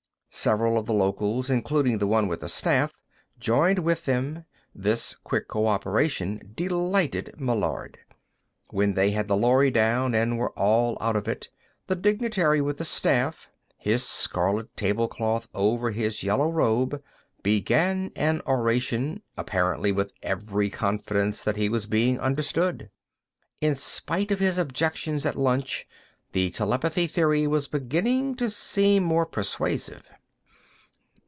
Several of the locals, including the one with the staff, joined with them; this quick co operation delighted Meillard. When they had the lorry down and were all out of it, the dignitary with the staff, his scarlet tablecloth over his yellow robe, began an oration, apparently with every confidence that he was being understood. In spite of his objections at lunch, the telepathy theory was beginning to seem more persuasive.